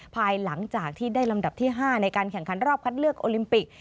ภายหลังจากที่ได้ลำดับที่๕ในการแข่งขันรอบคัดเลือกโอลิมปิก